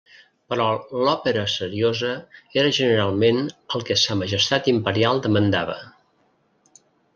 Però l'òpera seriosa era generalment el que sa majestat imperial demandava.